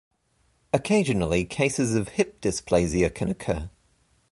Occasionally, cases of hip dysplasia can occur.